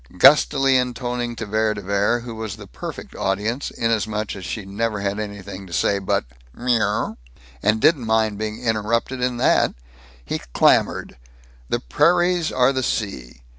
Gustily intoning to Vere de Vere, who was the perfect audience, inasmuch as she never had anything to say but "Mrwr," and didn't mind being interrupted in that, he clamored, "The prairies are the sea.